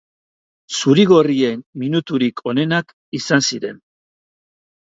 Zuri-gorrien minuturik onenak izan ziren.